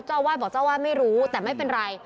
เจ้าอาวาสบอกเจ้าวาดไม่รู้แต่ไม่เป็นไร